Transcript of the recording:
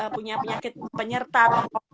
punya penyakit penyertaan